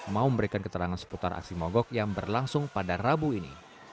mau memberikan keterangan seputar aksi mogok yang berlangsung pada rabu ini